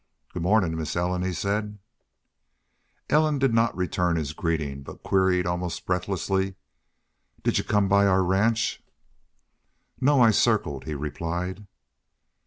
"Good mornin', Miss Ellen!" he said. Ellen did not return his greeting, but queried, almost breathlessly, "Did y'u come by our ranch?" "No. I circled," he replied.